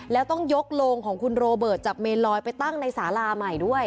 แล้วต้องยกโรงของคุณโรเบิร์ตจากเมนลอยไปตั้งในสาราใหม่ด้วย